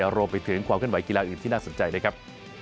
มาเลเซียโรมไปถึงความขึ้นไหวกีฬาอื่นที่น่าสนใจนะครับ